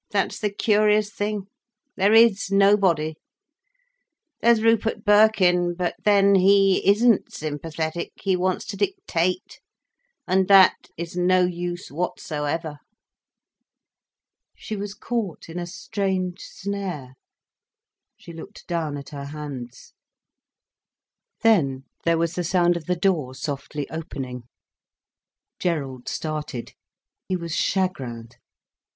That's the curious thing. There is nobody. There's Rupert Birkin. But then he isn't sympathetic, he wants to dictate. And that is no use whatsoever." She was caught in a strange snare. She looked down at her hands. Then there was the sound of the door softly opening. Gerald started. He was chagrined.